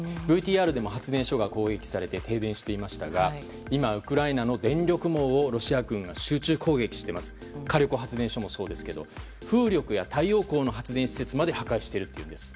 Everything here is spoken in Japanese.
ＶＴＲでも発電所が攻撃されて停電していましたが今、ウクライナの電力網をロシア軍が攻撃していて火力発電所もそうですけど風力や太陽光の発電所も破壊しているといいます。